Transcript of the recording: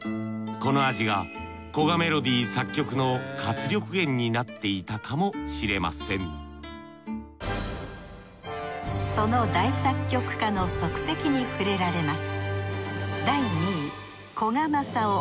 この味が古賀メロディー作曲の活力源になっていたかもしれませんその大作曲家の足跡に触れられます